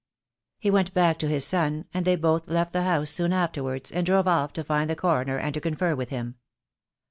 He went back to his son, and they both left the house soon afterwards and drove off to find the Coroner and to confer with him.